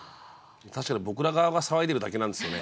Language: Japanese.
確かに僕ら側が騒いでるだけなんですよね。